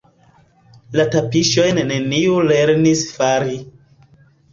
La tapiŝojn neniu lernis fari.